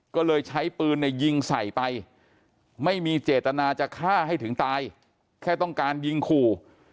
ก็เลยใช้ปืนเนี่ยยิงใส่ไปไม่มีเจตนาจะฆ่าให้ถึงตายแค่ต้องการยิงขู่